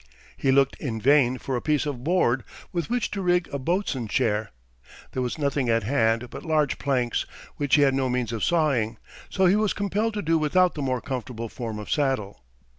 He looked in vain for a piece of board with which to rig a "boatswain's chair." There was nothing at hand but large planks, which he had no means of sawing, so he was compelled to do without the more comfortable form of saddle.